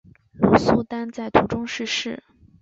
鲁速丹在途中逝世。